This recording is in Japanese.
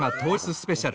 スペシャル。